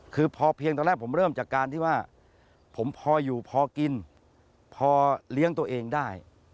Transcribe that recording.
คือพอเพียงตอนแรกผมเริ่มจากการที่ว่าผมพออยู่พอกินพอเลี้ยงตัวเองได้